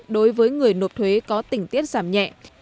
đối với người nộp thuế có tỉnh tiết giảm nhẹ